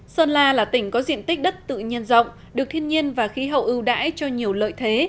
sơn la là tỉnh có diện tích đất tự nhiên rộng được thiên nhiên và khí hậu ưu đãi cho nhiều lợi thế